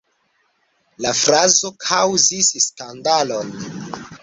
La frazo kaŭzis skandalon.